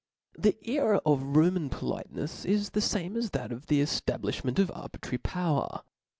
•' The sera of Roman politencfs, isthefamcas that of the eftablifhment of arbitrary power.